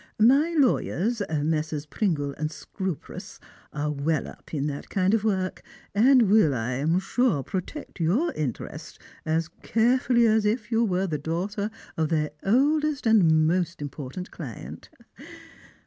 My lawyers, Messrs. Pringle and Scrupress, are well up in that kind of work, and will, I am sure, protect your interests as carefully as if you were the daughter of their oldest and most important client."